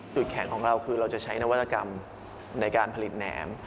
แข็งของเราคือเราจะใช้นวัตกรรมในการผลิตแหนม